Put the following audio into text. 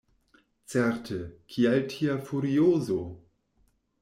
Certe; kial tia furiozo?